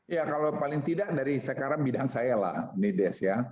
ya kalau paling tidak dari sekarang bidang saya lah nides ya